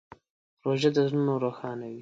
روژه د زړونو روښانوي.